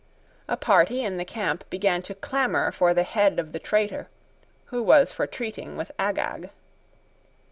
A party in the camp began to clamour for the head of the traitor, who was for treating with Agag.